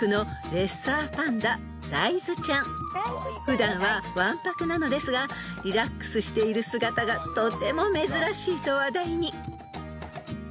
［普段は腕白なのですがリラックスしている姿がとても珍しいと話題に］